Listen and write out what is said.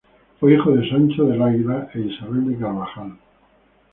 Fue hijo de Sancho del Águila e Isabel de Carvajal.